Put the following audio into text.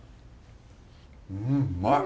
うんうまい！